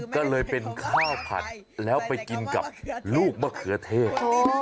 ก็เลยเป็นข้าวผัดแล้วไปกินกับลูกมะเขือเทศ